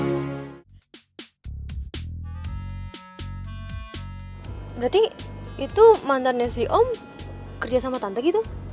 berarti itu mantannya si om kerja sama tante gitu